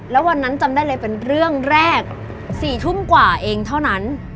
แล้ววันนั้นจำได้เลยเป็นเรื่องแรก๔ทุ่มกว่าเองเท่านั้น